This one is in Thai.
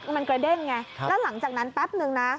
มันกระเด้งไงแล้วหลังจากนั้นแป๊บนึงนะ